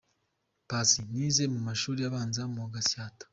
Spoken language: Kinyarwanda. Paccy : Nize mu mashuri abanza mu Gatsata.